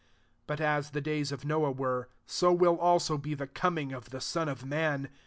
37 But as the days of Noah wn'e, so will also be the coming of the Son of man.